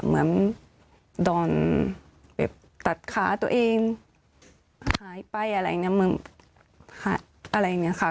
เหมือนดอนตัดขาตัวเองหายไปอะไรเนี่ยค่ะ